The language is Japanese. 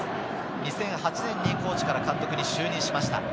２００８年にコーチから監督に就任しました。